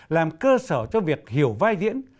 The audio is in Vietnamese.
làm cơ sở cho việc hiểu vai diễn